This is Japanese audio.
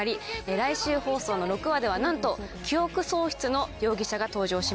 来週放送の６話ではなんと記憶喪失の容疑者が登場します。